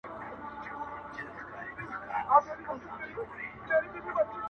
• زوی له ډېره کیبره و ویله پلار ته..